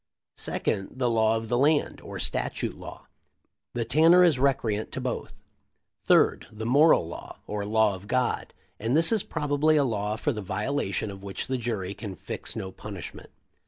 Second, the law of the land, or statute law, and Tanner is recreant to both. Third, the moral law, or law of God, and this is probably a law for the violation of which the jury can fix no punishment."